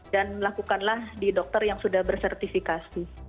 dan lakukanlah di dokter yang sudah bersertifikasi